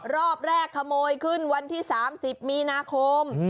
รอบแรกขโมยขึ้นวันที่๓๐มีนาคม